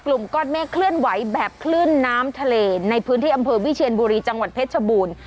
กลุ่มก้อนเมฆเคลื่อนไหวแบบคลื่นน้ำทะเลในพื้นที่อำเภอวิเชียนบุรีจังหวัดเพชรชบูรณ์